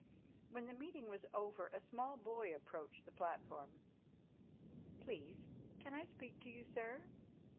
When the meeting was over, a small boy approached the platform. "Please can I speak to you, sir?"